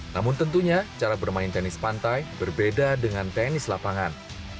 namun tentunya cara bermain tenis pantai berbeda dengan tenis lapangan